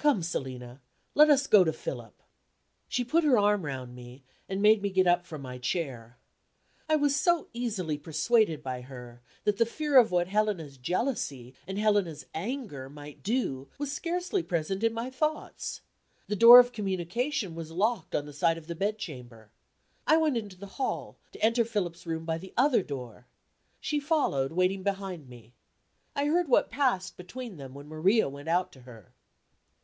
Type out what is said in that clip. Come, Selina, let us go to Philip." She put her arm round me, and made me get up from my chair. I was so easily persuaded by her, that the fear of what Helena's jealousy and Helena's anger might do was scarcely present in my thoughts. The door of communication was locked on the side of the bedchamber. I went into the hall, to enter Philip's room by the other door. She followed, waiting behind me. I heard what passed between them when Maria went out to her.